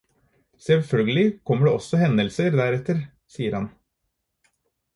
Selvfølgelig kommer det også hendelser der etter, sier han.